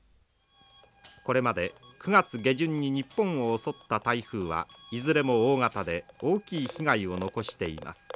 これまで９月下旬に日本を襲った台風はいずれも大型で大きい被害を残しています。